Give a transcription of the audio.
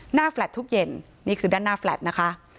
แฟลตทุกเย็นนี่คือด้านหน้าแฟลตนะคะ